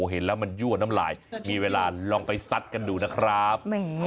เห็นแล้วมันยั่วน้ำลายมีเวลาลองไปซัดกันดูนะครับ